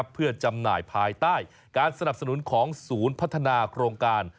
เพื่อจำหน่ายภายใต้การสนับสนุนของศูนย์พัฒนาโครงการ